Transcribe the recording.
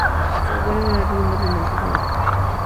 Su abuelo era oriundo de Montenegro.